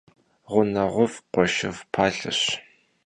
Ğuneğuf' — khueşşıf' palheş.